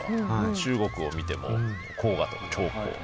中国を見ても黄河とか長江。